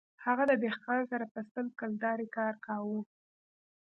هغه د دهقان سره په سل کلدارې کار کاوه